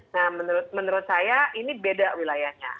nah menurut saya ini beda wilayahnya